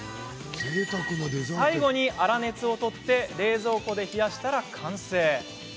最後に、粗熱を取って冷蔵庫で冷やしたら完成。